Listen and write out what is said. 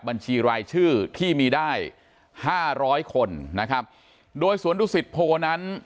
บัญชีรายชื่อที่มีได้๕๐๐คนนะครับโดยสวนทุกสิทธิ์โพนั้น